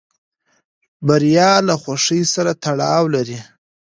بریا له خوښۍ سره تړاو لري.